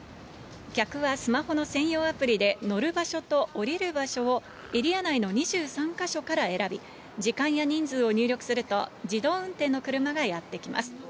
客はスマホの専用アプリで、乗る場所と降りる場所をエリア内の２３か所から選び、時間や人数を入力すると、自動運転の車がやって来ます。